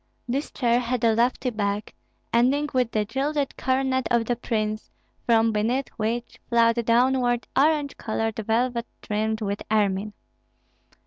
This chair had a lofty back, ending with the gilded coronet of the prince, from beneath which flowed downward orange colored velvet trimmed with ermine.